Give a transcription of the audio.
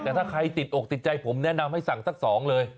แต่ถ้าใครติดอกติดใจผมแนะนำให้สั่งสักสองเลย